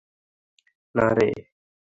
না, রে।